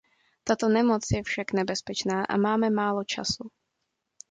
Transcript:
Tato nemoc je však nebezpečná a máme málo času.